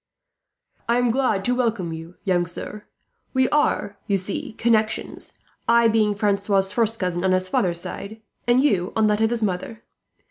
"I am glad to welcome you, young sir. We are, you see, connections; I being Philip's first cousin on his father's side, and you on that of his mother.